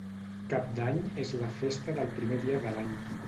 Cap d'Any és la festa del primer dia de l'any.